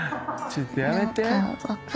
ちょっとやめて。